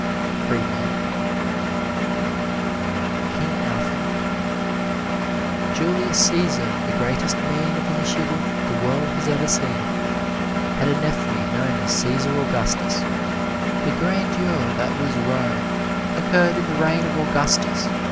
Freeman KING ALFRED Julius Cæsar, the greatest man of initiative the world has ever seen, had a nephew known as Cæsar Augustus. The grandeur that was Rome occurred in the reign of Augustus.